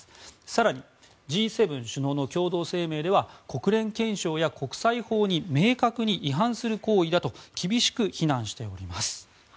更にＧ７首脳の共同声明では国連憲章や国際法に明確に違反する行為だと厳しく非難しております。